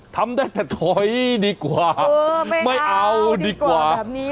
ทำได้แต่ถอยดีกว่าไม่เอาดีกว่า